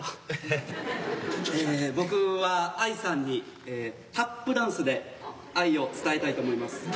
ええ僕は藍さんにタップダンスで愛を伝えたいと思います。